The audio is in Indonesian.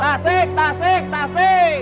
tasik tasik tasik